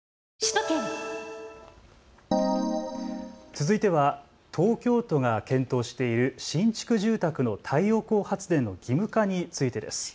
続いては東京都が検討している新築住宅の太陽光発電の義務化についてです。